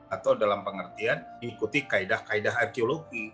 atau dalam pengertian ikuti kaidah kaidah arkeologi